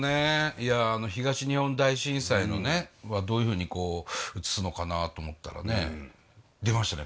いや東日本大震災はどういうふうに映すのかなと思ったらね出ましたね